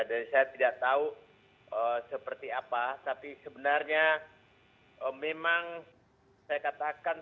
jadi saya tidak tahu seperti apa tapi sebenarnya memang saya katakan